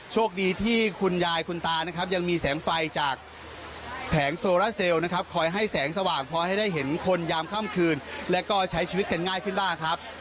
โชคดีที่คุณยายคุณตานะครับยังมีแสงไฟจากแผงโซราเซลนะครับคอยให้แสงสว่างพอให้ได้เห็นคนยามค่ำคืนและก็ใช้ชีวิตกันง่ายขึ้นบ้างครับ